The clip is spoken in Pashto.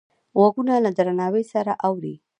غوږونه له درناوي سره اوري